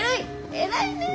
偉いねえ。